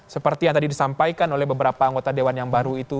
seperti yang tadi disampaikan oleh beberapa anggota dewan yang baru itu